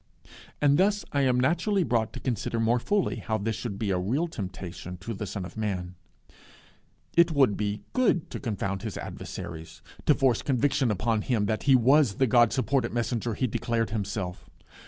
And thus I am naturally brought to consider more fully how this should be a real temptation to the Son of Man. It would be good to confound his adversaries; to force conviction upon them that he was the God supported messenger he declared himself.